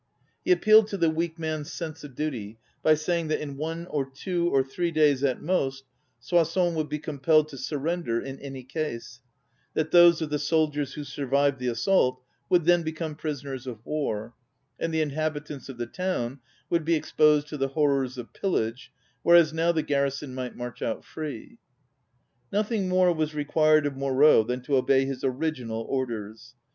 He appealed to the weak man's sense of duty by saying that in one or two, or three days at most, Sois sons would be compelled, to surrender in any case; that those of the sol diers who survived the assault would then become prisoners of war, and the inhabitants of the town would be exposed to the horrors of piUage, whereas now the garrison might march out free. Nothing more was required of Moreau than to obey his original or ders.